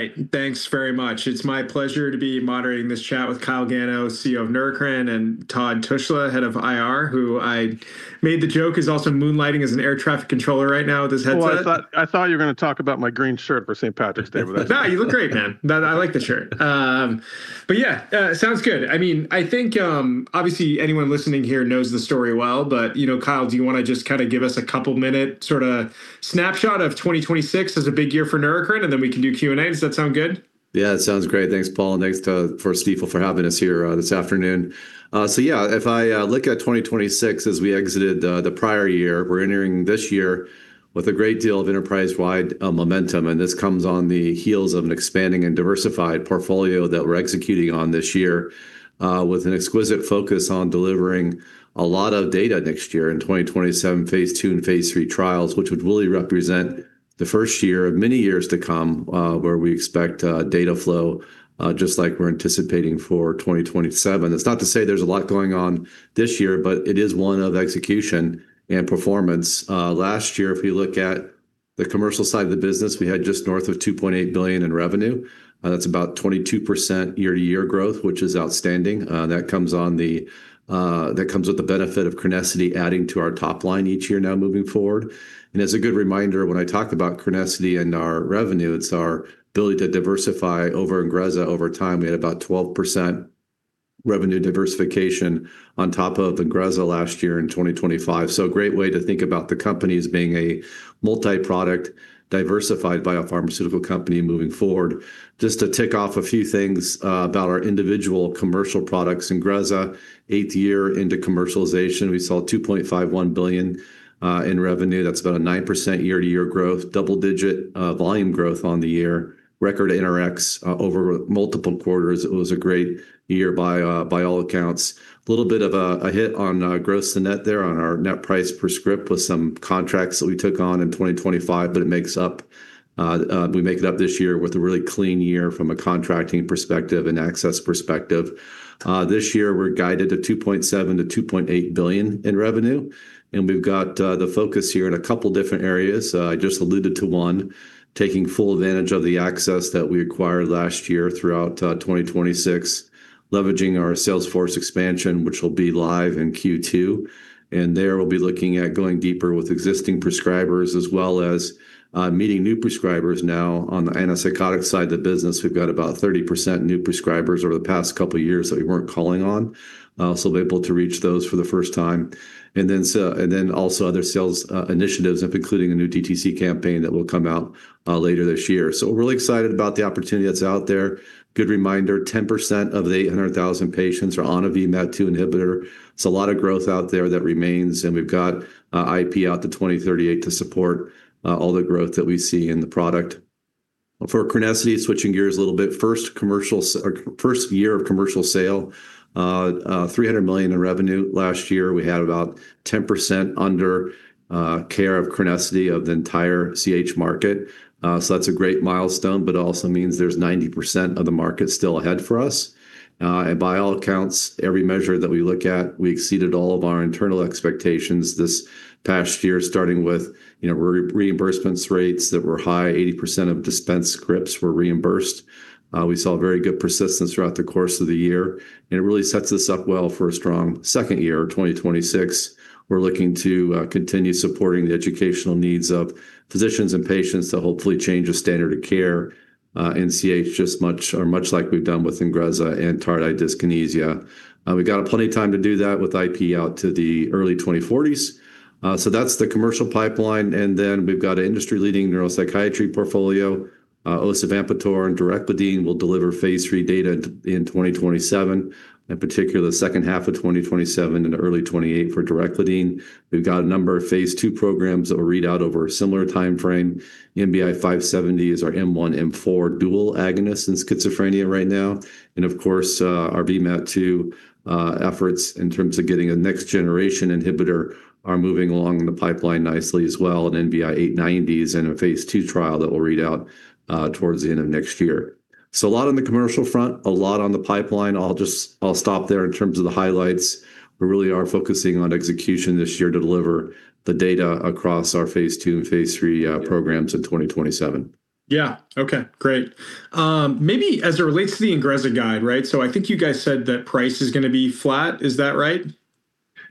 All right, thanks very much. It's my pleasure to be moderating this chat with Kyle Gano, CEO of Neurocrine, and Todd Tushla, head of IR, who I made the joke is also moonlighting as an air traffic controller right now with his headset. Well, I thought you were gonna talk about my green shirt for St. Patrick's Day, but that's. No, you look great, man. That. I like the shirt. Yeah, sounds good. I mean, I think, obviously anyone listening here knows the story well, but, you know, Kyle, do you wanna just kinda give us a couple minute sorta snapshot of 2026 as a big year for Neurocrine, and then we can do Q&A. Does that sound good? Yeah, it sounds great. Thanks, Paul, and thanks to Stifel for having us here this afternoon. So yeah, if I look at 2026 as we exited the prior year, we're entering this year with a great deal of enterprise-wide momentum, and this comes on the heels of an expanding and diversified portfolio that we're executing on this year with an exquisite focus on delivering a lot of data next year in 2027 phase II and phase III trials, which would really represent the first year of many years to come where we expect data flow just like we're anticipating for 2027. That's not to say there's a lot going on this year, but it is one of execution and performance. Last year, if you look at the commercial side of the business, we had just north of $2.8 billion in revenue. That's about 22% year-to-year growth, which is outstanding. That comes with the benefit of chronicity adding to our top line each year now moving forward. As a good reminder, when I talk about chronicity and our revenue, it's our ability to diversify Ingrezza over time. We had about 12% revenue diversification on top of Ingrezza last year in 2025. A great way to think about the company as being a multi-product diversified biopharmaceutical company moving forward. Just to tick off a few things about our individual commercial products. Ingrezza, eighth year into commercialization, we saw $2.51 billion in revenue. That's about a 9% year-over-year growth, double-digit volume growth on the year. Record NRX over multiple quarters. It was a great year by all accounts. A little bit of a hit on gross to net there on our net price per script with some contracts that we took on in 2025, but we make it up this year with a really clean year from a contracting perspective and access perspective. This year, we're guided to $2.7 billion-2.8 billion in revenue, and we've got the focus here in a couple different areas. I just alluded to one, taking full advantage of the access that we acquired last year throughout 2026, leveraging our sales force expansion, which will be live in Q2. There we'll be looking at going deeper with existing prescribers as well as meeting new prescribers now on the antipsychotic side of the business. We've got about 30% new prescribers over the past couple of years that we weren't calling on. We'll be able to reach those for the first time. Also other sales initiatives, including a new DTC campaign that will come out later this year. We're really excited about the opportunity that's out there. Good reminder, 10% of the 800,000 patients are on a VMAT2 inhibitor. It's a lot of growth out there that remains, and we've got IP out to 2038 to support all the growth that we see in the product. For CRENESSITY, switching gears a little bit, first commercial or first year of commercial sale, $300 million in revenue. Last year, we had about 10% under care of CRENESSITY of the entire CH market. That's a great milestone, but also means there's 90% of the market still ahead for us. By all accounts, every measure that we look at, we exceeded all of our internal expectations this past year, starting with, you know, reimbursement rates that were high. 80% of dispensed scripts were reimbursed. We saw very good persistence throughout the course of the year, and it really sets us up well for a strong second year, 2026. We're looking to continue supporting the educational needs of physicians and patients to hopefully change the standard of care in CH just much like we've done with Ingrezza and tardive dyskinesia. We've got plenty of time to do that with IP out to the early 2040s. So that's the commercial pipeline. We've got an industry-leading neuropsychiatry portfolio. Osavampator and direclidine will deliver phase III data in 2027, in particular, the second half of 2027 and early 2028 for direclidine. We've got a number of phase II programs that will read out over a similar timeframe. NBI-570 is our M1M4 dual agonist in schizophrenia right now. Of course, our VMAT2 efforts in terms of getting a next generation inhibitor are moving along in the pipeline nicely as well. NBI-890 is in a phase II trial that will read out towards the end of next year. A lot on the commercial front, a lot on the pipeline. I'll stop there in terms of the highlights. We really are focusing on execution this year to deliver the data across our phase II and phase III programs in 2027. Yeah. Okay, great. Maybe as it relates to the Ingrezza guidance, right? I think you guys said that price is gonna be flat. Is that right?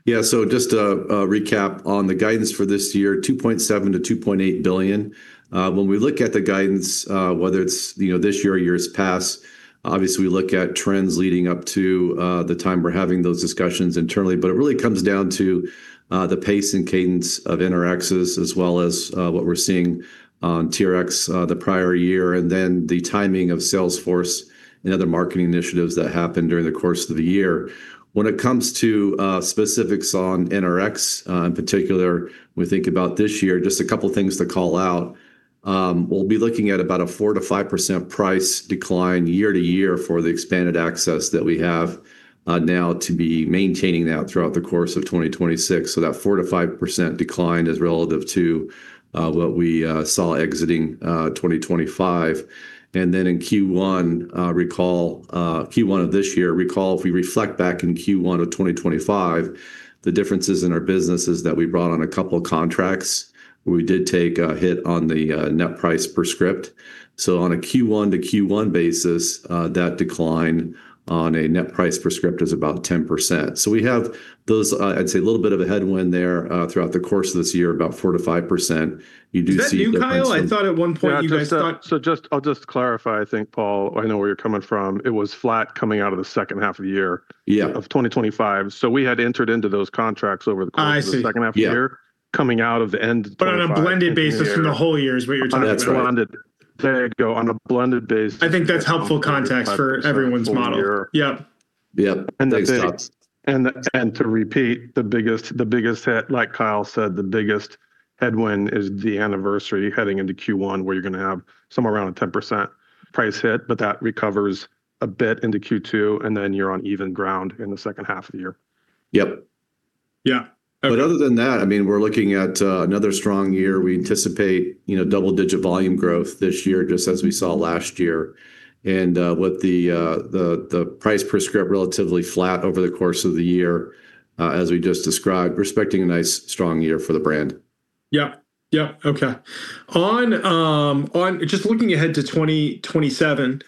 Yeah. Just to recap on the guidance for this year, $2.7 billion-2.8 billion. When we look at the guidance, whether it's, you know, this year or years past, obviously, we look at trends leading up to the time we're having those discussions internally. It really comes down to the pace and cadence of NRXs as well as what we're seeing on TRX the prior year, and then the timing of sales force and other marketing initiatives that happen during the course of the year. When it comes to specifics on NRX in particular, we think about this year, just a couple of things to call out. We'll be looking at about a 4-5% price decline year-over-year for the expanded access that we have now to be maintaining that throughout the course of 2026. That 4-5% decline is relative to what we saw exiting 2025. In Q1, recall if we reflect back in Q1 of 2025, the differences in our business is that we brought on a couple of contracts. We did take a hit on the net price per script. On a Q1-to-Q1 basis, that decline on a net price per script is about 10%. We have those, I'd say a little bit of a headwind there throughout the course of this year, about 4-5%. You do see a difference in. Is that you, Kyle? I thought at one point you guys thought. I'll just clarify. I think, Paul, I know where you're coming from. It was flat coming out of the second half of the year. Yeah of 2025, so we had entered into those contracts over the course I see. of the second half of the year. Yeah. Coming out of the end of 2025. On a blended basis for the whole year is what you're talking about. That's right. On a blended basis. I think that's helpful context for everyone's model. 4% full year. Yep. Yep. Makes sense. To repeat the biggest hit, like Kyle said, the biggest headwind is the anniversary heading into Q1, where you're gonna have somewhere around a 10% price hit, but that recovers a bit into Q2, and then you're on even ground in the second half of the year. Yep. Yeah. Okay. Other than that, I mean, we're looking at another strong year. We anticipate, you know, double-digit volume growth this year, just as we saw last year. With the price per script relatively flat over the course of the year, as we just described, we're expecting a nice strong year for the brand. Just looking ahead to 2027,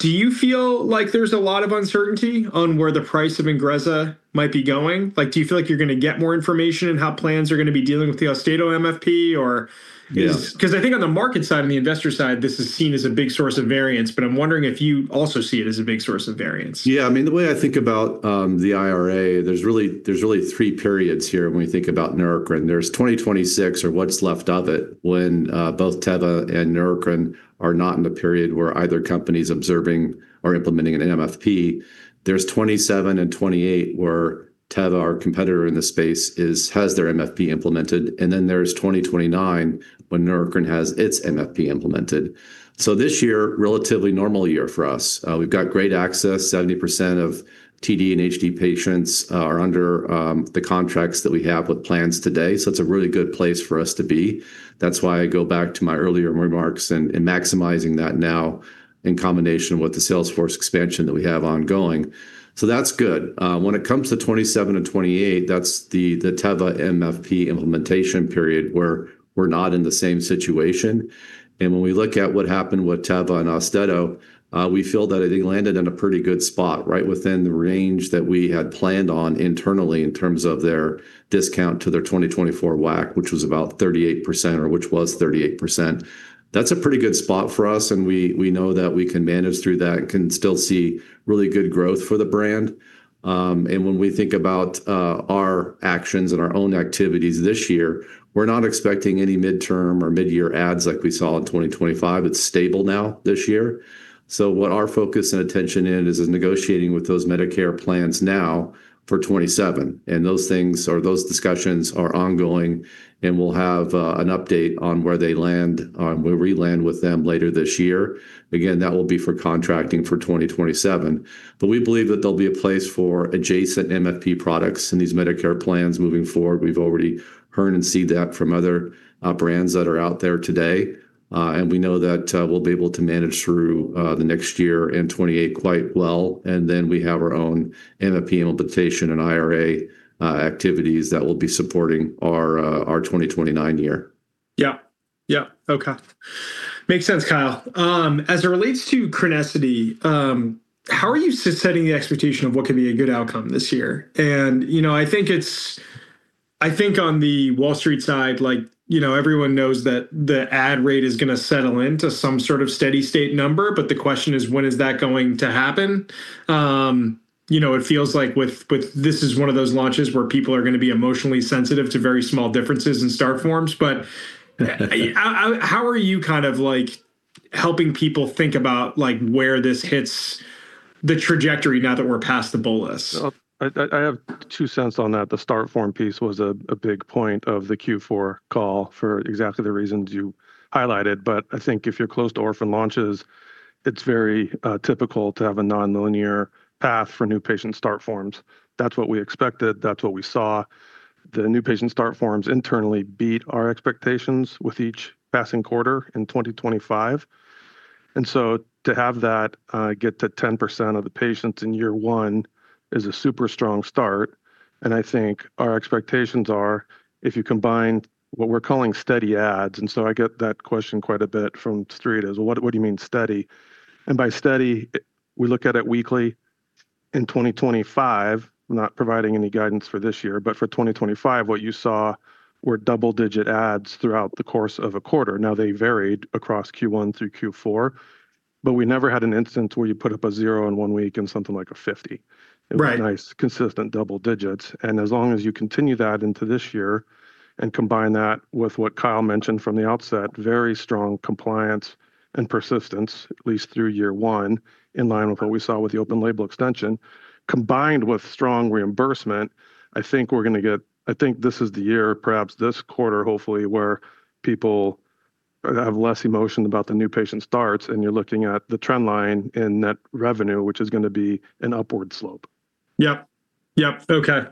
do you feel like there's a lot of uncertainty on where the price of Ingrezza might be going? Like, do you feel like you're gonna get more information in how plans are gonna be dealing with the Austedo MFP or is- Yeah. 'Cause I think on the market side and the investor side, this is seen as a big source of variance, but I'm wondering if you also see it as a big source of variance. I mean, the way I think about the IRA, there's really three periods here when we think about Neurocrine. There's 2026 or what's left of it when both Teva and Neurocrine are not in the period where either company's observing or implementing an MFP. There's 2027 and 2028, where Teva, our competitor in this space, has their MFP implemented, and then there's 2029 when Neurocrine has its MFP implemented. This year, relatively normal year for us. We've got great access. 70% of TD and HD patients are under the contracts that we have with plans today, so it's a really good place for us to be. That's why I go back to my earlier remarks and maximizing that now in combination with the sales force expansion that we have ongoing. That's good. When it comes to 27 and 28, that's the Teva MFP implementation period, where we're not in the same situation. When we look at what happened with Teva and Austedo, we feel that it landed in a pretty good spot, right within the range that we had planned on internally in terms of their discount to their 2024 WAC, which was about 38% or which was 38%. That's a pretty good spot for us, and we know that we can manage through that and can still see really good growth for the brand. When we think about our actions and our own activities this year, we're not expecting any midterm or mid-year ads like we saw in 2025. It's stable now this year. What our focus and attention is is negotiating with those Medicare plans now for 2027. Those things or those discussions are ongoing, and we'll have an update on where we land with them later this year. Again, that will be for contracting for 2027. We believe that there'll be a place for adjacent MFP products in these Medicare plans moving forward. We've already heard and seen that from other brands that are out there today. We know that we'll be able to manage through the next year in 2028 quite well. Then we have our own MFP implementation and IRA activities that will be supporting our 2029 year. Yeah. Yeah. Okay. Makes sense, Kyle. As it relates to CRENESSITY, how are you setting the expectation of what could be a good outcome this year? You know, I think on the Wall Street side, like, you know, everyone knows that the ad rate is gonna settle into some sort of steady state number, but the question is when is that going to happen? You know, it feels like this is one of those launches where people are gonna be emotionally sensitive to very small differences in start forms. How are you kind of like helping people think about like where this hits the trajectory now that we're past the bolus? I have two cents on that. The start form piece was a big point of the Q4 call for exactly the reasons you highlighted. I think if you're close to orphan launches, it's very typical to have a nonlinear path for new patient start forms. That's what we expected. That's what we saw. The new patient start forms internally beat our expectations with each passing quarter in 2025. To have that, get to 10% of the patients in year one is a super strong start, and I think our expectations are if you combine what we're calling steady ads, and so I get that question quite a bit from Street is, "Well, what do you mean steady?" By steady, we look at it weekly in 2025, not providing any guidance for this year, but for 2025, what you saw were double-digit ads throughout the course of a quarter. Now they varied across Q1 through Q4, but we never had an instance where you put up a zero in one week and something like a 50. Right. It was nice, consistent double digits. As long as you continue that into this year and combine that with what Kyle mentioned from the outset, very strong compliance and persistence, at least through year one, in line with what we saw with the open label extension, combined with strong reimbursement, I think this is the year, perhaps this quarter hopefully, where people have less emotion about the new patient starts, and you're looking at the trend line in net revenue, which is gonna be an upward slope. Yep. Yep. Okay.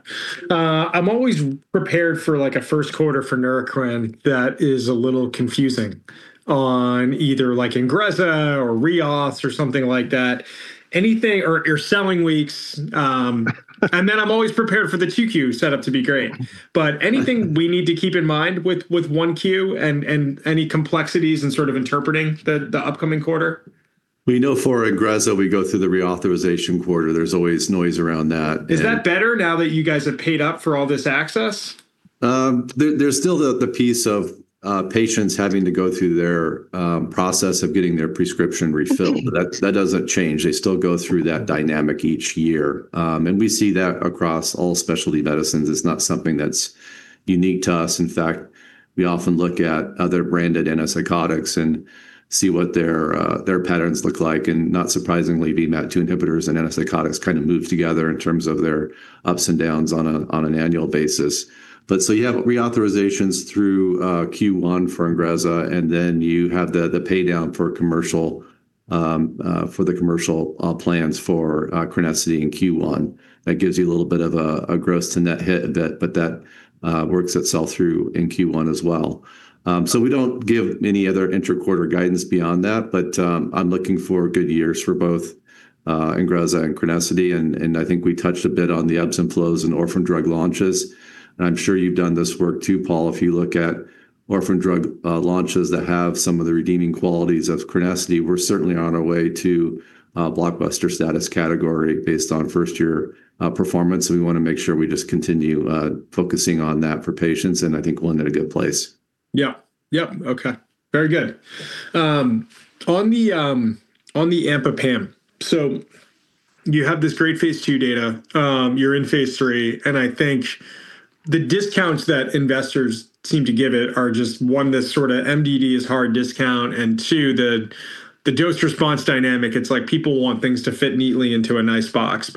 I'm always prepared for like a first quarter for Neurocrine that is a little confusing on either like Ingrezza or reauth or something like that, or selling weeks, and then I'm always prepared for the 2Q set up to be great. Anything we need to keep in mind with 1Q and any complexities in sort of interpreting the upcoming quarter? We know for Ingrezza, we go through the reauthorization quarter. There's always noise around that. Is that better now that you guys have paid up for all this access? There's still the piece of patients having to go through their process of getting their prescription refilled. That doesn't change. They still go through that dynamic each year. We see that across all specialty medicines. It's not something that's unique to us. In fact, we often look at other branded antipsychotics and see what their patterns look like, and not surprisingly, VMAT2 inhibitors and antipsychotics kind of move together in terms of their ups and downs on an annual basis. You have reauthorizations through Q1 for Ingrezza, and then you have the pay down for the commercial plans for CRENESSITY in Q1. That gives you a little bit of a gross to net hit that, but that works itself through in Q1 as well. We don't give any other inter-quarter guidance beyond that, but I'm looking for good years for both Ingrezza and CRENESSITY, and I think we touched a bit on the ebbs and flows in orphan drug launches. I'm sure you've done this work too, Paul. If you look at orphan drug launches that have some of the redeeming qualities of CRENESSITY, we're certainly on our way to a blockbuster status category based on first year performance, and we wanna make sure we just continue focusing on that for patients, and I think we'll end at a good place. Yeah. Yep. Okay. Very good. On the AMPA PAM, you have this great phase II data. You're in phase III, and I think the discounts that investors seem to give it are just, one, this sorta MDD is hard discount, and two, the dose response dynamic. It's like people want things to fit neatly into a nice box.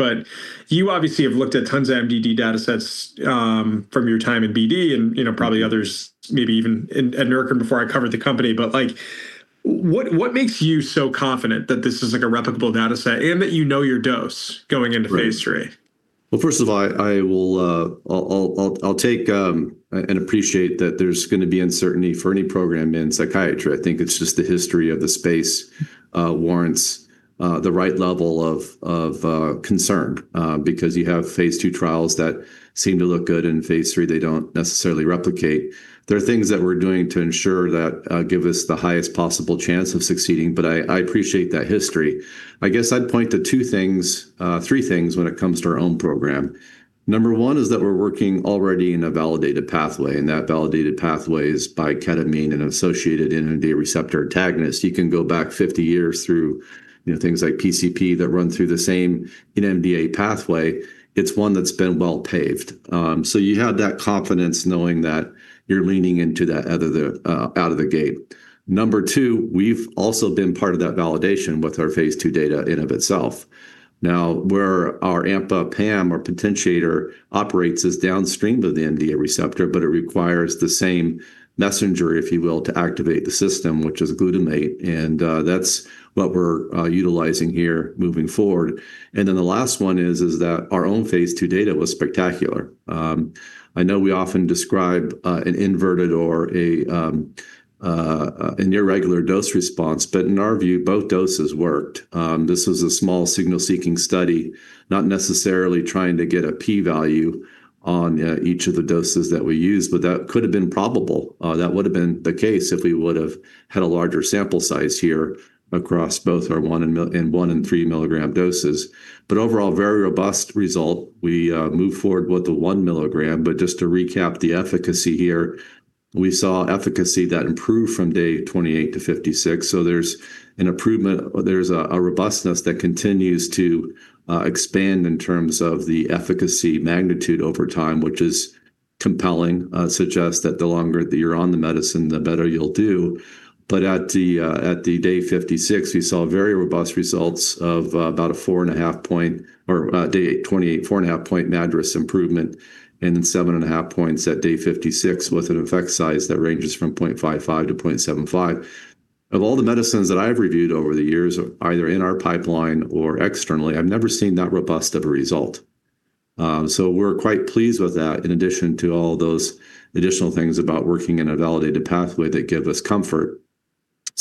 You obviously have looked at tons of MDD datasets, from your time at BD and, you know, probably others maybe even at Neurocrine before I covered the company. Like, what makes you so confident that this is, like, a replicable dataset and that you know your dose going into phase III? Well, first of all, I appreciate that there's gonna be uncertainty for any program in psychiatry. I think it's just the history of the space warrants the right level of concern because you have phase II trials that seem to look good. In phase III, they don't necessarily replicate. There are things that we're doing to ensure that give us the highest possible chance of succeeding, but I appreciate that history. I guess I'd point to two things, three things when it comes to our own program. Number one is that we're working already in a validated pathway, and that validated pathway is by ketamine and associated NMDA receptor antagonist. You can go back 50 years through, you know, things like PCP that run through the same NMDA pathway. It's one that's been well-paved. So you have that confidence knowing that you're leaning into that out of the gate. Number two, we've also been part of that validation with our phase II data in and of itself. Now, where our AMPA-PAM or potentiator operates is downstream of the NMDA receptor, but it requires the same messenger, if you will, to activate the system, which is glutamate, and that's what we're utilizing here moving forward. The last one is that our own phase II data was spectacular. I know we often describe an inverted or a an irregular dose response, but in our view, both doses worked. This was a small signal-seeking study, not necessarily trying to get a P-value on each of the doses that we used, but that could have been probable. That would have been the case if we would have had a larger sample size here across both our 1 and 3 milligram doses. Overall, very robust result. We moved forward with the 1 milligram, but just to recap the efficacy here, we saw efficacy that improved from day 28-56, so there's an improvement or there's a robustness that continues to expand in terms of the efficacy magnitude over time, which is compelling, suggests that the longer that you're on the medicine, the better you'll do. At day 56, we saw very robust results of about a 4.5-point at day 28 MADRS improvement and then 7.5 points at day 56 with an effect size that ranges from 0.55-0.75. Of all the medicines that I've reviewed over the years, either in our pipeline or externally, I've never seen that robust of a result. We're quite pleased with that in addition to all those additional things about working in a validated pathway that give us comfort.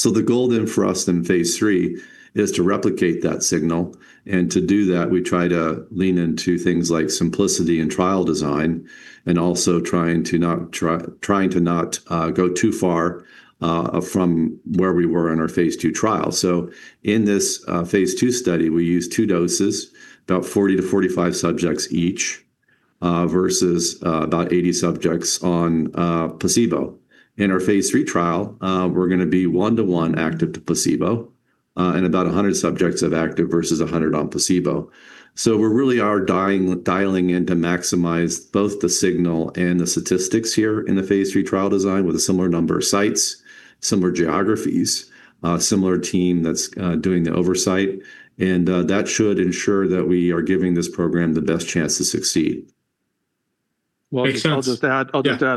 The goal then for us in phase III is to replicate that signal, and to do that, we try to lean into things like simplicity and trial design and also trying to not go too far from where we were in our phase II trial. In this phase II study, we used two doses, about 40-45 subjects each versus about 80 subjects on placebo. In our phase III trial, we're gonna be one to one active to placebo and about 100 subjects of active versus 100 on placebo. We really are dialing in to maximize both the signal and the statistics here in the phase III trial design with a similar number of sites, similar geographies, similar team that's doing the oversight, and that should ensure that we are giving this program the best chance to succeed. Well, I'll just add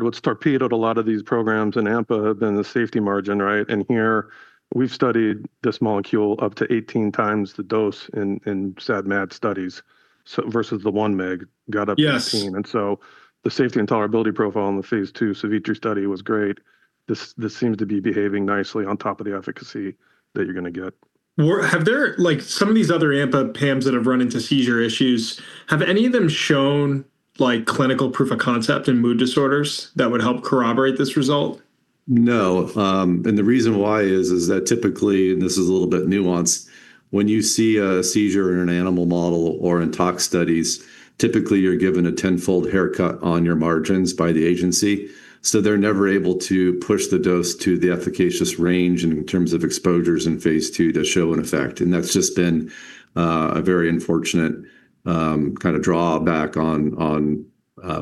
what's torpedoed a lot of these programs in AMPA have been the safety margin, right? And here we've studied this molecule up to 18x the dose in SAD/MAD studies so versus the 1 mg got up to 18. Yes. The safety and tolerability profile in the phase II SAVITRI study was great. This seems to be behaving nicely on top of the efficacy that you're going to get. Like, some of these other AMPA PAMs that have run into seizure issues, have any of them shown, like, clinical proof of concept in mood disorders that would help corroborate this result? No. The reason why is that typically, and this is a little bit nuanced, when you see a seizure in an animal model or in tox studies, typically you're given a tenfold haircut on your margins by the agency, so they're never able to push the dose to the efficacious range in terms of exposures in phase II to show an effect. That's just been a very unfortunate kind of drawback on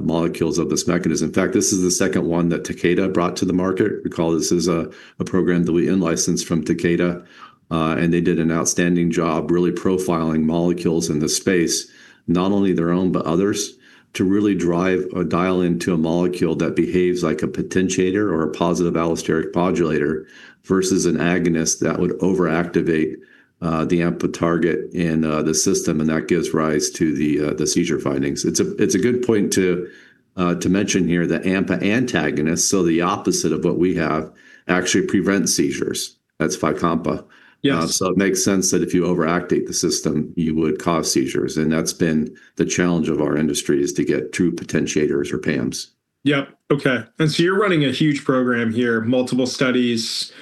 molecules of this mechanism. In fact, this is the second one that Takeda brought to the market. Recall this is a program that we in-licensed from Takeda, and they did an outstanding job really profiling molecules in the space, not only their own, but others, to really drive or dial into a molecule that behaves like a potentiator or a positive allosteric modulator versus an agonist that would overactivate the AMPA target in the system, and that gives rise to the seizure findings. It's a good point to mention here that AMPA antagonists, so the opposite of what we have, actually prevent seizures. That's Fycompa. Yes. It makes sense that if you overactivate the system, you would cause seizures. That's been the challenge of our industry is to get true potentiators or PAMs. Yep. Okay. You're running a huge program here, multiple studies.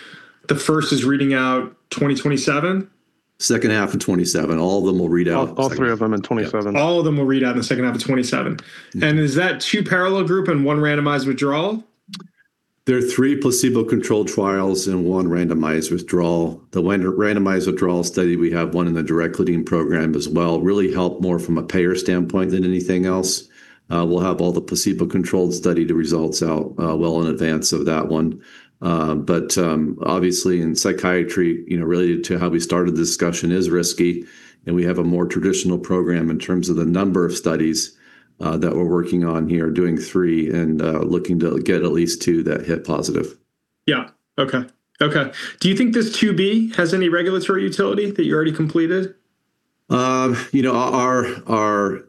The first is reading out 2027. Second half of 2027. All of them will read out. All three of them in 2027. All of them will read out in the second half of 2027. Is that two parallel group and one randomized withdrawal? There are three placebo-controlled trials and one randomized withdrawal. The randomized withdrawal study, we have one in the direclidine program as well, really help more from a payer standpoint than anything else. We'll have all the placebo-controlled study, the results out, well in advance of that one. Obviously in psychiatry, you know, related to how we started the discussion is risky, and we have a more traditional program in terms of the number of studies that we're working on here, doing three and looking to get at least two that hit positive. Do you think this 2B has any regulatory utility that you already completed? You know, our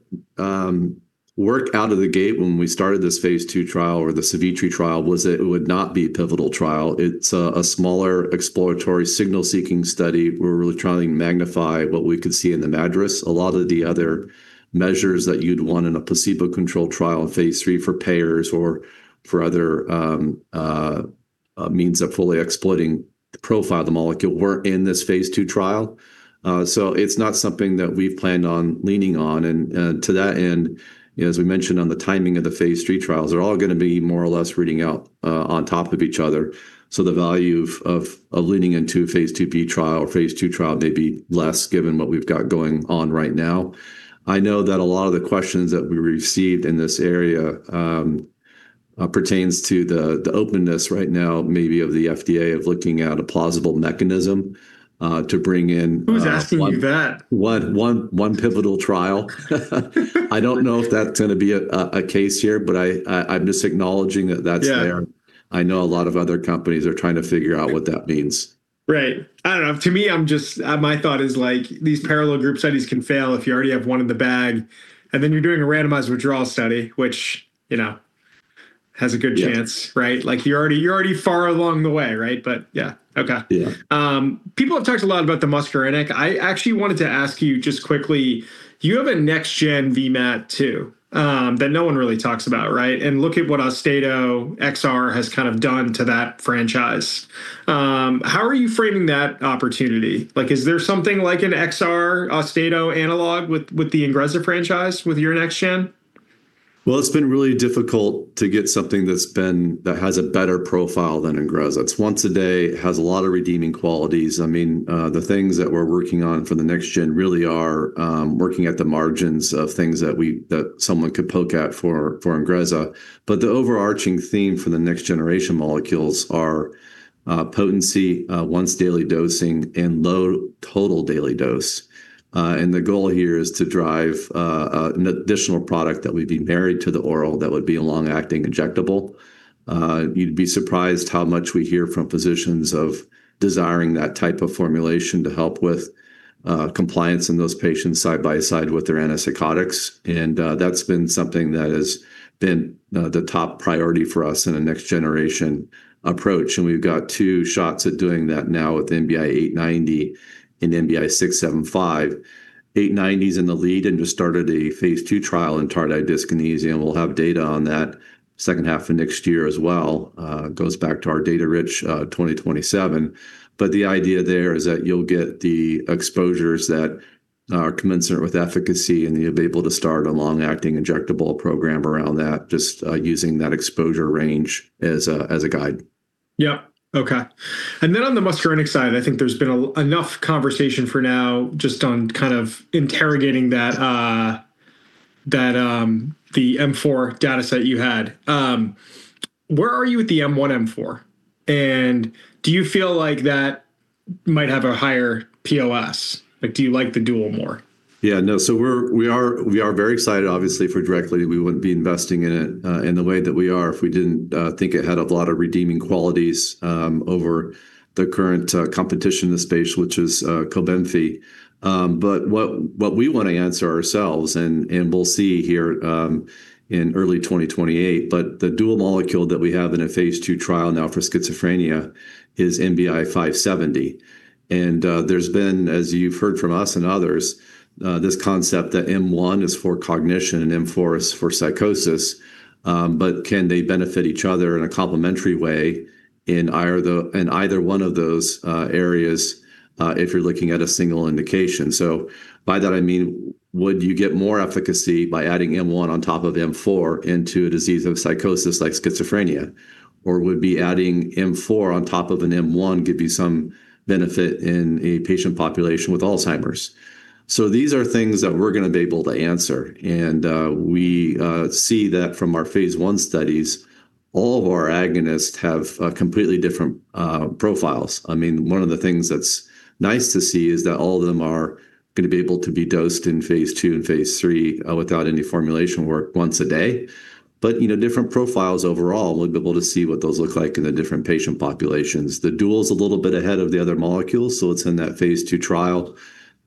work out of the gate when we started this phase II trial or the Savitri trial was that it would not be a pivotal trial. It's a smaller exploratory signal-seeking study. We're really trying to magnify what we could see in the MADRS. A lot of the other measures that you'd want in a placebo-controlled trial, phase III for payers or for other means of fully exploiting the profile of the molecule weren't in this phase II trial. So it's not something that we've planned on leaning on. To that end, you know, as we mentioned on the timing of the phase III trials, they're all going to be more or less reading out on top of each other. The value of leaning into a phase IIb trial or phase II trial may be less given what we've got going on right now. I know that a lot of the questions that we received in this area pertains to the openness right now maybe of the FDA of looking at a plausible mechanism to bring in. Who's asking you that? One pivotal trial. I don't know if that's going to be a case here, but I'm just acknowledging that that's there. Yeah. I know a lot of other companies are trying to figure out what that means. Right. I don't know. To me, I'm just, my thought is like these parallel group studies can fail if you already have one in the bag, and then you're doing a randomized withdrawal study, which, you know, has a good chance, right? Like you're already far along the way, right? But yeah. Okay. Yeah. People have talked a lot about the muscarinic. I actually wanted to ask you just quickly, you have a next-gen VMAT2 that no one really talks about, right? Look at what Austedo XR has kind of done to that franchise. How are you framing that opportunity? Like, is there something like an XR Austedo analog with the Ingrezza franchise with your next gen? Well, it's been really difficult to get something that has a better profile than Ingrezza. It's once a day, has a lot of redeeming qualities. I mean, the things that we're working on for the next gen really are working at the margins of things that someone could poke at for Ingrezza. The overarching theme for the next generation molecules are potency, once daily dosing and low total daily dose. The goal here is to drive an additional product that would be married to the oral that would be a long-acting injectable. You'd be surprised how much we hear from physicians of desiring that type of formulation to help with compliance in those patients side by side with their antipsychotics. That's been something that has been the top priority for us in a next generation approach. We've got two shots at doing that now with NBI-890 and NBI-675. 890 is in the lead and just started a phase II trial in tardive dyskinesia, and we'll have data on that second half of next year as well. Goes back to our data rich 2027. The idea there is that you'll get the exposures that are commensurate with efficacy, and you'll be able to start a long-acting injectable program around that just using that exposure range as a guide. Yeah. Okay. On the muscarinic side, I think there's been enough conversation for now just on kind of interrogating that, the M4 data set you had. Where are you with the M1M4? Do you feel like that might have a higher POS? Like, do you like the dual more? We are very excited obviously for direclidine. We wouldn't be investing in it in the way that we are if we didn't think it had a lot of redeeming qualities over the current competition in the space, which is Cobenfy. But what we wanna answer ourselves and we'll see here in early 2028, the dual molecule that we have in a phase II trial now for schizophrenia is NBI-570. There's been, as you've heard from us and others, this concept that M1 is for cognition and M4 is for psychosis, but can they benefit each other in a complementary way in either one of those areas if you're looking at a single indication? By that I mean would you get more efficacy by adding M1 on top of M4 into a disease of psychosis like schizophrenia? Or would be adding M4 on top of an M1 give you some benefit in a patient population with Alzheimer's? These are things that we're gonna be able to answer, and we see that from our phase I studies, all of our agonists have completely different profiles. I mean, one of the things that's nice to see is that all of them are gonna be able to be dosed in phase II and phase III without any formulation work once a day. You know, different profiles overall, we'll be able to see what those look like in the different patient populations. The dual's a little bit ahead of the other molecules, so it's in that phase II trial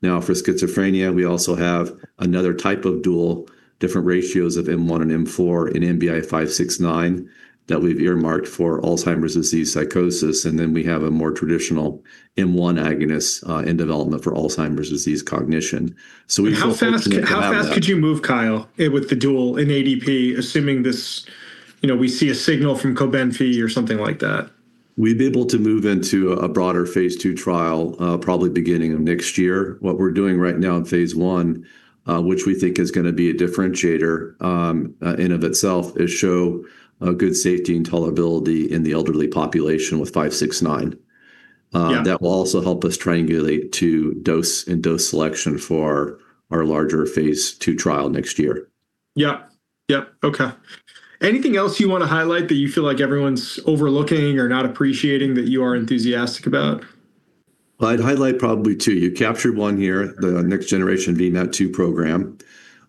now for schizophrenia. We also have another type of dual, different ratios of M1 and M4 in NBI-569 that we've earmarked for Alzheimer's disease psychosis, and then we have a more traditional M1 agonist in development for Alzheimer's disease cognition. We feel confident. How fast could you move, Kyle, with the dual in AMPA, assuming this, you know, we see a signal from Cobenfy or something like that? We'd be able to move into a broader phase II trial, probably beginning of next year. What we're doing right now in phase I, which we think is gonna be a differentiator in and of itself, is show a good safety and tolerability in the elderly population with NBI-569. Yeah. That will also help us triangulate the dose and dose selection for our larger phase II trial next year. Yeah. Yep, okay. Anything else you wanna highlight that you feel like everyone's overlooking or not appreciating that you are enthusiastic about? I'd highlight probably two. You captured one here, the next generation VMAT2 program.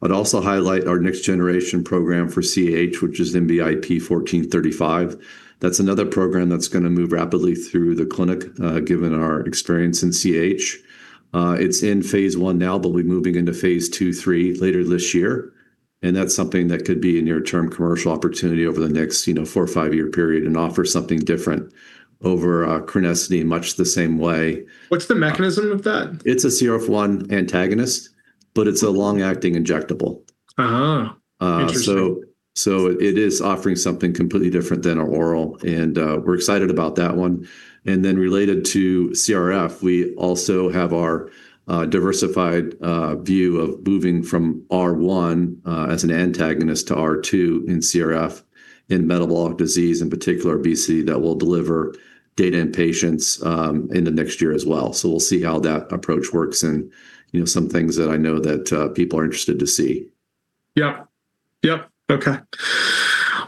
I'd also highlight our next generation program for CAH, which is NBIP-1435. That's another program that's gonna move rapidly through the clinic, given our experience in CAH. It's in phase I now, but we'll be moving into phase II, III later this year, and that's something that could be a near term commercial opportunity over the next, you know, four or five-year period and offer something different over chronicity in much the same way. What's the mechanism of that? It's a CRF1 antagonist, but it's a long-acting injectable. Interesting. It is offering something completely different than our oral, and we're excited about that one. Related to CRF, we also have our diversified view of moving from CRF1 as an antagonist to CRF2 in CRF in metabolic disease, in particular PCOS that will deliver data and patients in the next year as well. We'll see how that approach works and you know some things that I know that people are interested to see. Yeah. Yep. Okay.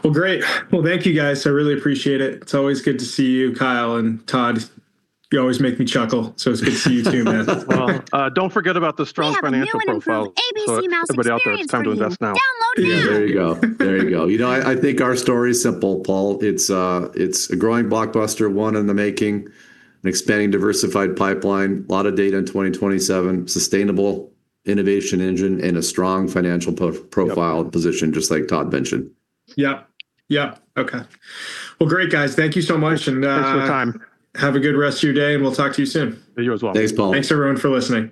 Well, great. Well, thank you guys. I really appreciate it. It's always good to see you, Kyle and Todd. You always make me chuckle, so it's good to see you too, man. Well, don't forget about the strong financial profile. We have a new and improved ABC Mouse Experience for you. Everybody out there, it's time to invest now. Download now. Yeah, there you go. You know, I think our story is simple, Paul. It's a growing blockbuster, one in the making, an expanding diversified pipeline, a lot of data in 2027, sustainable innovation engine, and a strong financial profile position just like Todd mentioned. Yeah. Okay. Well, great, guys. Thank you so much. Thanks for your time. Have a good rest of your day, and we'll talk to you soon. You as well. Thanks, Paul. Thanks, everyone, for listening.